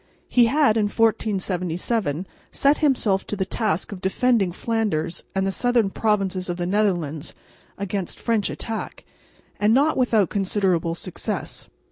He had in 1477 set himself to the task of defending Flanders and the southern provinces of the Netherlands against French attack, and not without considerable success.